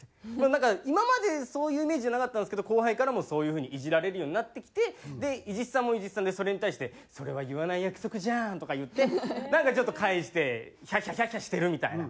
なんか今までそういうイメージじゃなかったんですけど後輩からもそういう風にイジられるようになってきて伊地知さんも伊地知さんでそれに対して「それは言わない約束じゃん」とか言ってちょっと返してヒャッヒャヒャッヒャしてるみたいな。